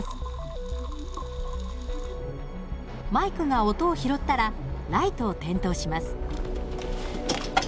マイクが音を拾ったらライトを点灯します。